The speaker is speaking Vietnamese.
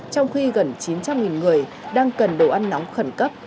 trong khi gần chín trăm linh người đang cần đồ ăn nóng khẩn cấp